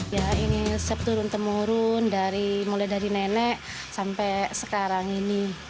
ya ini resep turun temurun mulai dari nenek sampai sekarang ini